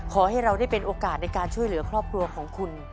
ขอให้เราได้เป็นโอกาสในการช่วยเหลือครอบครัวของคุณ